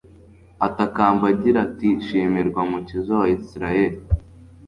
atakamba agira ati shimirwa mukiza wa israheli